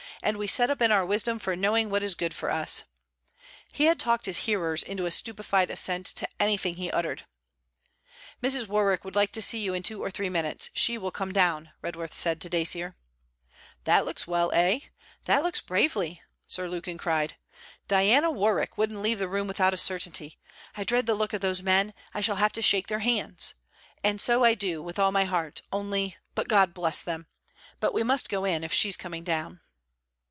And we set up in our wisdom for knowing what is good for us!' He had talked his hearers into a stupefied assent to anything he uttered. 'Mrs. Warwick would like to see you in two or three minutes; she will come down,' Redworth said to Dacier. 'That looks well, eh? That looks bravely,' Sir Lukin cried. 'Diana, Warwick wouldn't leave the room without a certainty. I dread the look of those men; I shall have to shake their hands! And so I do, with all my heart: only But God bless them! But we must go in, if she's coming down.'